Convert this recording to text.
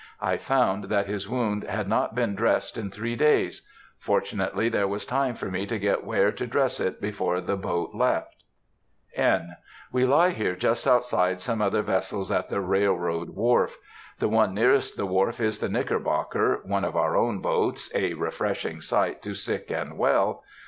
I found that his wound had not been dressed in three days; fortunately there was time for me to get Ware to dress it before the boat left. (N.) ... We lie here just outside some other vessels at the railroad wharf. The one nearest the wharf is the Knickerbocker (one of our own boats, a refreshing sight to sick and well).